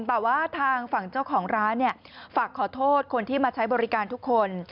แต่ว่าทางฝั่งเจ้าของร้านฝากขอโทษคนที่มาใช้บริการทุกคน